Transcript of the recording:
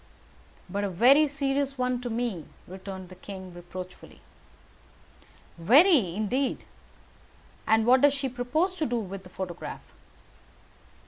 "But a very serious one to me," returned the king, reproachfully. "Very, indeed. And what does she propose to do with the photograph?"